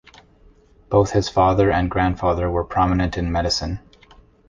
Both his father and grandfather were prominent in medicine.